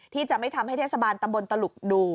ที่จะไม่ทำให้เทศบาลตำบลตลุกดู